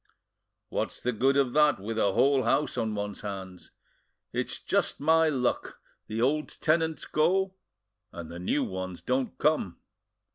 "What's the good of that, with a whole house on one's hands? It's just my luck; the old tenants go, and the new ones don't come."